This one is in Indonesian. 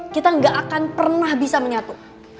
kita gak akan pernah bisa menyatu